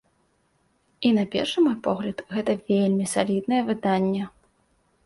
І на першы мой погляд, гэта вельмі саліднае выданне.